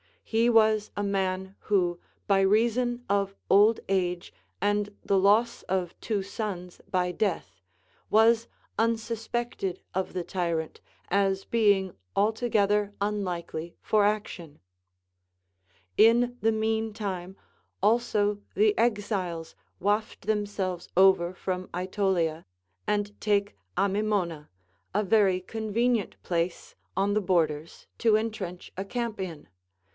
He was a man who, by reason of old age and the loss of two sons by death, was unsuspected of the tyrant, as being altogether unlikely for action. In the mean time also the exiles waft themselves over from Aetolia, and take Amymona, a very convenient place on the borders to entrench a camp in, 360 CONCERNING THE VIRTUES OF WOMEN.